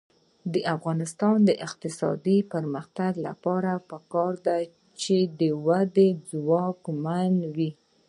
د افغانستان د اقتصادي پرمختګ لپاره پکار ده چې اردو ځواکمنه وي.